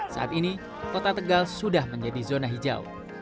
saat ini kota tegal sudah menjadi zona hijau